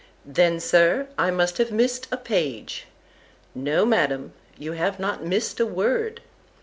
—Then, Sir, I must have miss'd a page.—No, Madam, you have not miss'd a word.